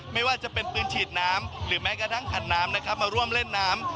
ไม่ว่าจะเป็นปืนฉีดน้ำหรือแม้กระทั่งคันน้ำนะครับมาร่วมเล่นน้ำ